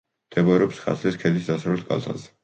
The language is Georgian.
მდებარეობს ქართლის ქედის დასავლეთ კალთაზე.